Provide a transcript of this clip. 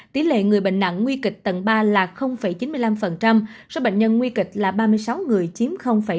tỷ lệ người bệnh nặng nguy kịch tầng ba là chín mươi năm số bệnh nhân nguy kịch là ba mươi sáu người chiếm bảy mươi